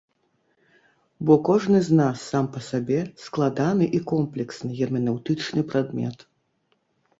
Бо кожны з нас сам па сабе складаны і комплексны герменэўтычны прадмет.